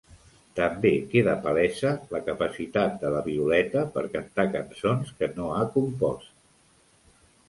També queda palesa la capacitat de la Violeta per cantar cançons que no ha compost.